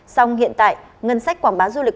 sông hiện tại ngân sách quảng bá du lịch